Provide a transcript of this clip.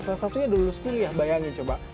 salah satunya lulus kuliah bayangin coba